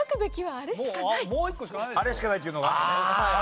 あれしかないっていうのがあるんだね？